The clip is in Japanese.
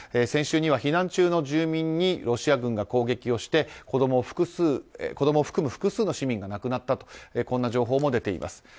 先週には避難中の住民にロシア軍が攻撃して子供を含む複数の市民が亡くなったとこんな情報も出ています。